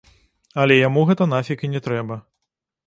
Але яму гэта нафіг і не трэба.